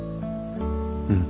うん。